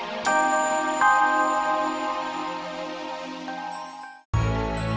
kita jadi kelanangan